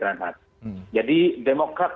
rencana jadi demokrat